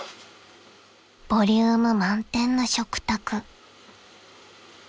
［ボリューム満点の食卓］